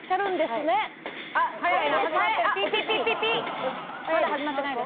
まだ始まってないです。